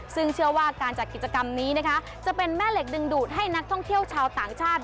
ซึ่งเชื่อว่าการจัดกิจกรรมนี้นะคะจะเป็นแม่เหล็กดึงดูดให้นักท่องเที่ยวชาวต่างชาติ